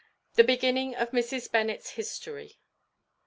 _The beginning of Mrs. Bennet's history.